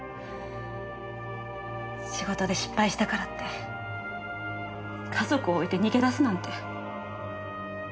仕事で失敗したからって家族置いて逃げ出すなんて。